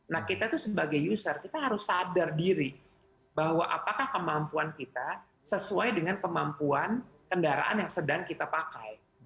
nah kita tuh sebagai user kita harus sadar diri bahwa apakah kemampuan kita sesuai dengan kemampuan kendaraan yang sedang kita pakai